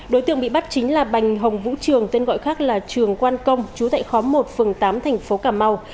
đối tượng bị bắt chính là bành hồng vũ trường tên gọi khác là trường quan công chú tại khóm một phường tám thành phố cà mau